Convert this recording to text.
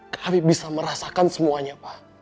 kami bisa merasakan semuanya pak